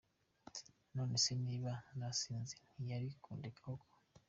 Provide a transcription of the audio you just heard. None se niba nasinze ntiyari kundeka koko ?”.